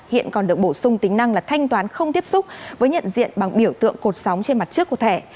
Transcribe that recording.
hiện còn được bổ sung tính năng là thanh toán không tiếp xúc với nhận diện bằng biểu tượng cột sóng trên mặt trước của thẻ